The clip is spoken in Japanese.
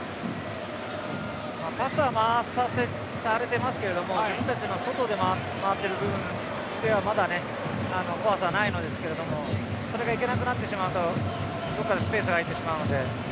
パスは回されてますけど自分たちの外で回っている部分ではまだ怖さはないんですけれどそれがいけなくなってしまうとどこかにスペースが空いてしまうので。